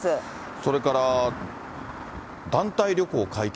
それから、団体旅行解禁。